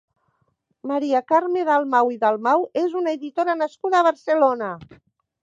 Maria Carme Dalmau i Dalmau és una editora nascuda a Barcelona.